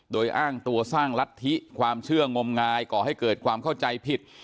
โดยอ้างตัวสร้างรัฐธิความเชื่องมงายก่อให้เกิดความเข้าใจผิด